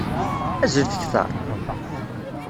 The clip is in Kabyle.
Azzlet kteṛ!